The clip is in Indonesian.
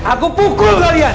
aku pukul kalian